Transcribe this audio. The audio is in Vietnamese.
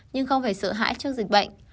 nhưng không phải sợ hãi trước dịch bệnh